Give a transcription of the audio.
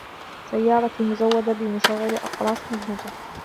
سيارتي مزودة بمشغل أقراص مدمجة.